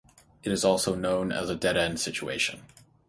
It is also known as a dead end situation.